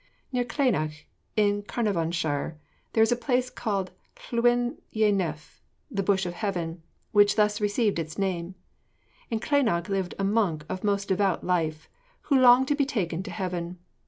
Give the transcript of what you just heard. Near Clynog, in Carnarvonshire, there is a place called Llwyn y Nef, (the Bush of Heaven,) which thus received its name: In Clynog lived a monk of most devout life, who longed to be taken to heaven.